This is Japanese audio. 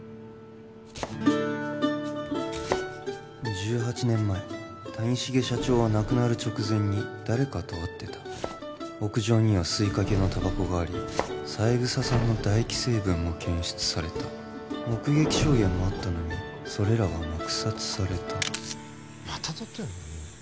１８年前谷繁社長は亡くなる直前に誰かと会ってた屋上には吸いかけのタバコがあり三枝さんの唾液成分も検出された目撃証言もあったのにそれらは黙殺されたまた撮ってんの？